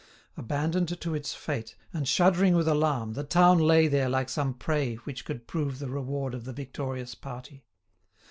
Abandoned to its fate and shuddering with alarm the town lay there like some prey which would prove the reward of the victorious party.